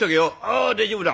「あ大丈夫だ。